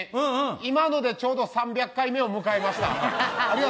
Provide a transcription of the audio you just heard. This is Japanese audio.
今のでちょうど３００回目を迎えました。